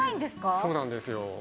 そうなんですよ。